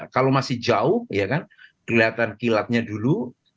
kalau masih jauh ya kan kelihatan kilatnya dulu